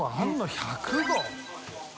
１００合。